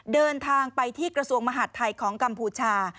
เดินทางไปที่กระทรวงมหาดไทยของกัมพูชา